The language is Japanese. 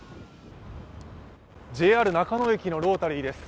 ＪＲ中野駅のロータリーです。